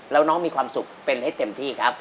แล้วน้องมีความสุขเป็นให้เต็มที่ครับ